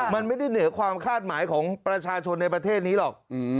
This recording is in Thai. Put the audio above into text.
มันไม่ได้เหนือความคาดหมายของประชาชนในประเทศนี้หรอก